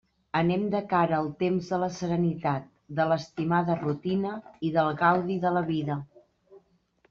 Anem de cara al temps de la serenitat, de l'estimada rutina i del gaudi de la vida.